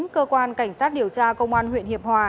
cơ quan cảnh sát điều tra công an huyện hiệp hòa